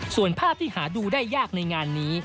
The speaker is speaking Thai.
ส่วนภาพที่หาดูได้ยากในงานนี้